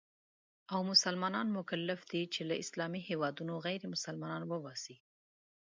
او مسلمانان مکلف دي چې له اسلامي هېوادونو غیرمسلمانان وباسي.